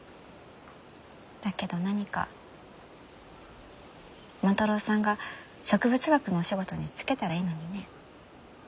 だけど何か万太郎さんが植物学のお仕事に就けたらいいのにね。